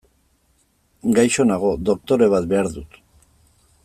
Gaixo nago, doktore bat behar dut.